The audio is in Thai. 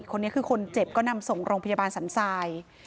คนนี้คือคนเจ็บก็นำส่งโรงพยาบาลสันทราย